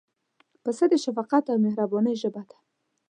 پسه د شفقت او مهربانۍ ژبه ده.